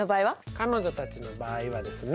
彼女たちの場合はですね